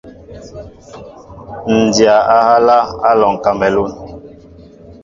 Ǹ dya á ehálā , Á alɔŋ kamelûn.